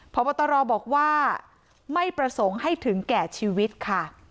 พบตรบอกว่าไม่ประสงค์ให้ถึงแก่ชีวิตค่ะ